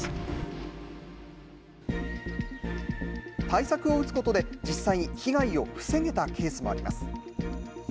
対策を打つことで、実際に被害を防げたケースもあります。